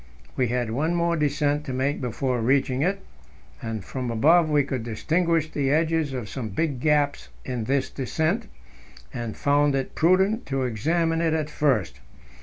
We had one more descent to make before reaching it, and from above we could distinguish the edges of some big gaps in this descent, and found it prudent to examine it first.